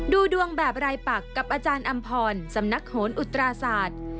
ดูดวงแบบรายปักกับอาจารย์อำพรสำนักโหนอุตราศาสตร์